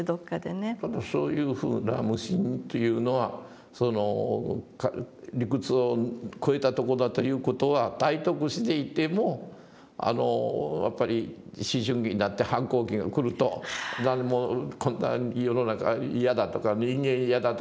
そういうふうな無心というのは理屈を超えたとこだという事は体得していてもやっぱり思春期になって反抗期が来ると「こんな世の中は嫌だ」とか「人間嫌だ」とか。